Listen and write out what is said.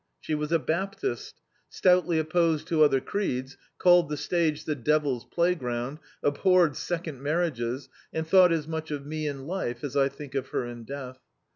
She was a Baptist, stoutly opposed to other creeds — called the stage the Devil's Playground — abhorred seoxid marriages — and thought as much of me in life as I think of her in death.